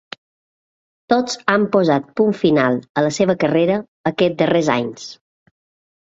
Tots han posat punt final a la seva carrera aquests darrers anys.